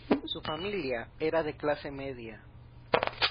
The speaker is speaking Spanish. Su familia era de clase media.